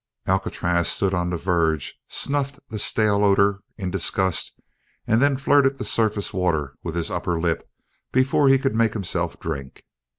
Alcatraz stood on the verge, snuffed the stale odor in disgust and then flirted the surface water with his upper lip before he could make himself drink.